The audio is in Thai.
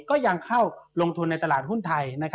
ก็ยังเข้าลงทุนในตลาดหุ้นไทย